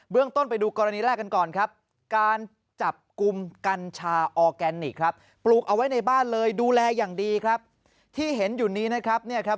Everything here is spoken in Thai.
เบื้องต้นไปดูกรณีแรกกันก่อนครับ